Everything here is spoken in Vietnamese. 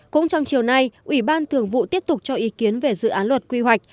cũng trong chiều nay ủy ban thường vụ tiếp tục cho ý kiến về dự án luật quy hoạch